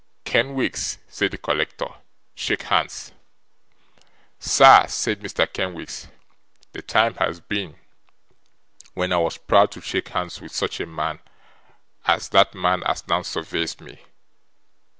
'Kenwigs,' said the collector, 'shake hands.' 'Sir,' said Mr. Kenwigs, 'the time has been, when I was proud to shake hands with such a man as that man as now surweys me.